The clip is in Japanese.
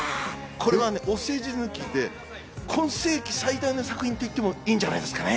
これはね、お世辞抜きで今世紀最大の作品と言ってもいいんじゃないですかね。